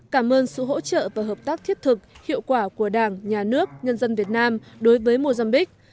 cảm ơn sự hỗ trợ và hợp tác thiết thực hiệu quả của đảng nhà nước nhân dân việt nam đối với mozambique